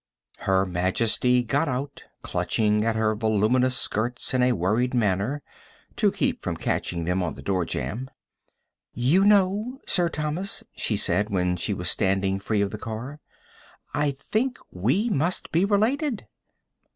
Her Majesty got out, clutching at her voluminous skirts in a worried manner, to keep from catching them on the door jamb. "You know, Sir Thomas," she said when she was standing free of the car, "I think we must be related."